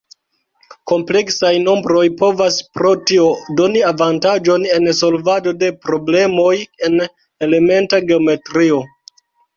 Kompleksaj nombroj povas pro tio doni avantaĝon en solvado de problemoj en elementa geometrio.